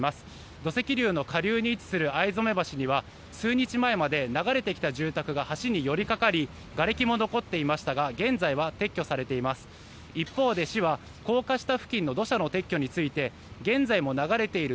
土石流の下流に位置する逢初橋では数日前まで、流れてきた住宅が橋に寄りかかりがれきも残っていましたが現在は撤去されています。